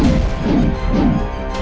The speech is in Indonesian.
ayo kita berdua